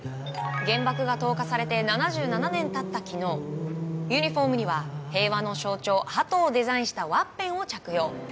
原爆が投下されて７７年経った昨日ユニホームには、平和の象徴ハトをデザインしたワッペンを着用。